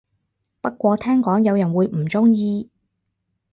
不過聽講有人會唔鍾意